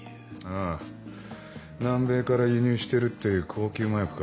ああ南米から輸入してるっていう高級麻薬か。